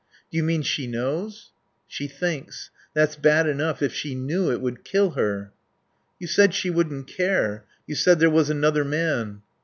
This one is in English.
"Do you mean she knows?" "She thinks. That's bad enough. If she knew, it would kill her." "You said she wouldn't care. You said there was another man."